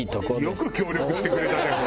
よく協力してくれたね